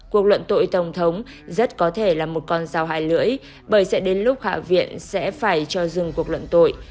cuộc luận tội tổng thống rất có thể là một con dao hai lưỡi bởi sẽ đến lúc hạ viện sẽ phải cho dừng cuộc luận tội